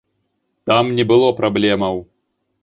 Там не было праблемаў.